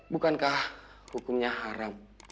bukankah hukumnya haram